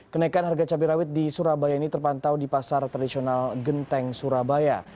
kenaikan harga cabai rawit di surabaya ini terpantau di pasar tradisional genteng surabaya